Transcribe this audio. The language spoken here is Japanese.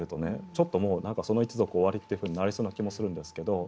ちょっともう何かその一族終わりっていうふうになりそうな気もするんですけど。